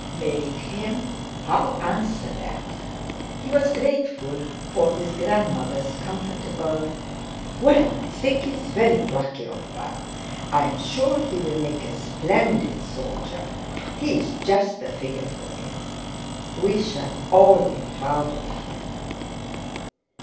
Made him? How answer that? He was grateful for his grandmother's comfortable: "Well, I think it's very plucky of Val. I'm sure he'll make a splendid soldier; he's just the figure for it. We shall all be proud of him."